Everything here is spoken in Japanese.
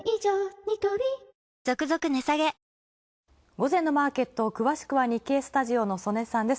午前のマーケット詳しくは日経スタジオの曽根さんです。